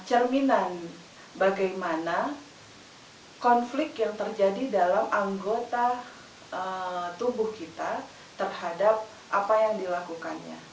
cerminan bagaimana konflik yang terjadi dalam anggota tubuh kita terhadap apa yang dilakukannya